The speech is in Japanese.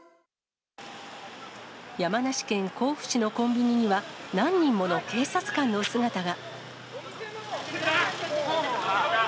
山梨県甲府市のコンビニには、何人もの警察官の姿が。